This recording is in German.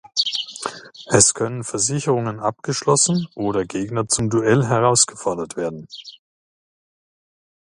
Es können Versicherungen abgeschlossen oder Gegner zum Duell herausgefordert werden.